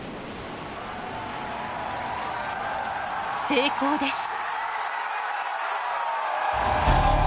成功です！